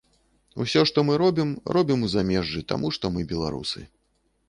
Усё, што мы робім, робім у замежжы таму, што мы беларусы.